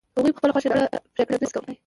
هغوی په خپله خوښه ناوړه پرېکړه نه شي کولای.